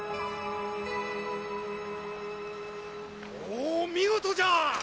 おお見事じゃ！